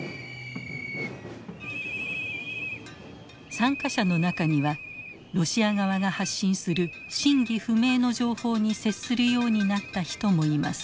参加者の中にはロシア側が発信する真偽不明の情報に接するようになった人もいます。